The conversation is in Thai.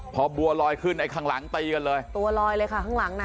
พอบัวลอยขึ้นข้างหลังตีกันเลยตัวลอยเลยค่ะ